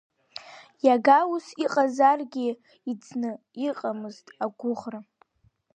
Иага ус иҟазаргьы, иӡны иҟамызт агәыӷра.